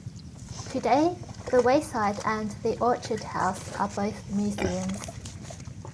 Today, The Wayside and the Orchard House are both museums.